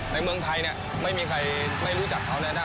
ในเมืองไทยไม่มีใครไม่รู้จักเขาแน่นอน